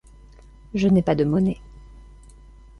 Je n'ai pas de monnaie.